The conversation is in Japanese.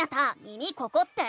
「耳ここ⁉」って。